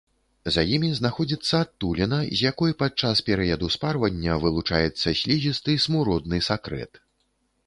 За імі знаходзіцца адтуліна, з якой падчас перыяду спарвання вылучаецца слізісты, смуродны сакрэт.